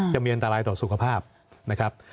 จะมีอันตรายต่อสุขภาพนะครับ